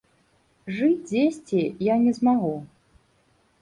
Жыць дзесьці я не змагу.